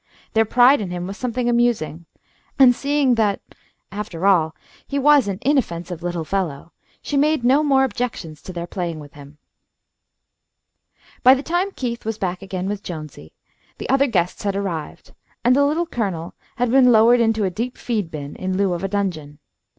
Their pride in him was something amusing, and seeing that, after all, he was an inoffensive little fellow, she made no more objections to their playing with him. By the time Keith was back again with Jonesy, the other guests had arrived, and the Little Colonel had been lowered into a deep feed bin, in lieu of a dungeon.